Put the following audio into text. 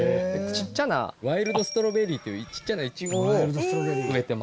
ちっちゃなワイルドストロベリーというちっちゃなイチゴを植えてます。